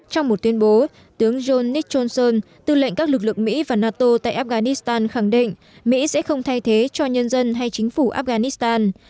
trong một tuyên bố tướng john nikol tư lệnh các lực lượng mỹ và nato tại afghanistan khẳng định mỹ sẽ không thay thế cho nhân dân hay chính phủ afghanistan